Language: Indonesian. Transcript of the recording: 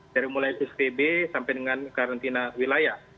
dari mulai spb sampai dengan karantina wilayah